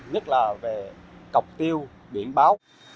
nhất là về cọc tiêu biển báo